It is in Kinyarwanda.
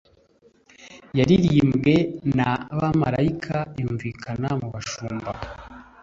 Yaririmbwe na marayika, yumvikana mu bashumba